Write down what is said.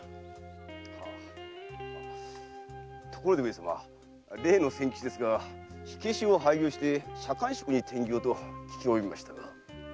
ところで上様例の千吉ですが火消しを廃業して左官職に転業と聞き及びましたが。